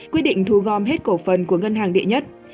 quyết định thu gom hết cổ phần của ngân hàng địa nhất